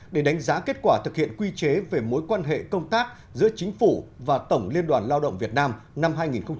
để đánh giá kết quả thực hiện quy chế về mối quan hệ công tác giữa chính phủ và tổng liên đoàn lao động việt nam năm hai nghìn một mươi chín